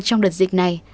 trong đợt dịch này